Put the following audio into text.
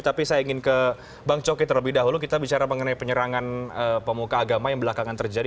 tapi saya ingin ke bang coki terlebih dahulu kita bicara mengenai penyerangan pemuka agama yang belakangan terjadi